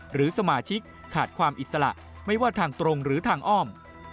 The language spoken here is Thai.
หรือสมาชิกขาดความอิสระไม่ว่าทางตรงหรือทางอ้อม